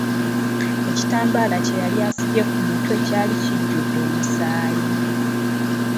Ekitambaala kye yali asibye ku mutwe kyali kijjudde omusaayi.